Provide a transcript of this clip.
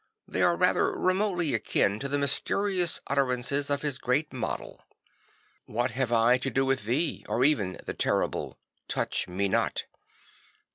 They are rather remotely akin to mysterious utterances of his great model, II What have I to do with thee? " or even the terrible II Touch me not."